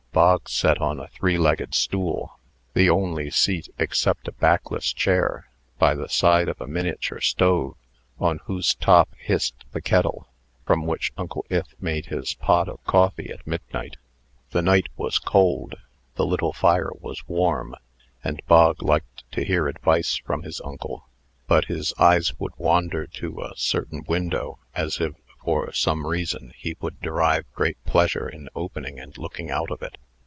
Bog sat on a three legged stool (the only seat except a backless chair) by the side of a miniature stove, on whose top hissed the kettle, from which Uncle Ith made his pot of coffee at midnight. The night was cold; the little fire was warm; and Bog liked to hear advice from his uncle; but his eyes would wander to a certain window, as if, for some reason, he would derive great pleasure in opening and looking out of it.